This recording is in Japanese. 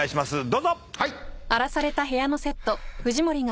どうぞ！